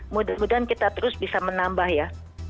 mudah mudahan kita terus bisa menambah ya